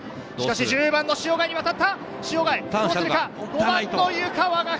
１０番の塩貝に渡った。